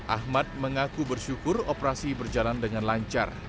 ahmad mengaku bersyukur operasi berjalan dengan lancar